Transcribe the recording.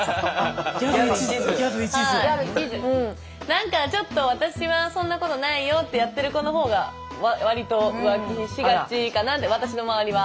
何かちょっと私はそんなことないよってやってる子の方が割と浮気しがちかなって私の周りは。